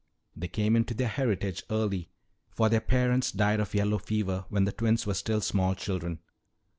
They came into their heritage early, for their parents died of yellow fever when the twins were still small children.